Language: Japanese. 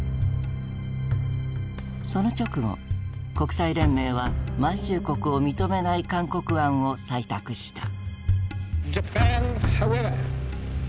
その直後国際連盟は満州国を認めない勧告案を採択した。